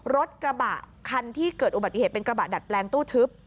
รถกระบะคันที่เกิดอุบัติเหตุเป็นกระบะดัดแปลงตู้ทึบ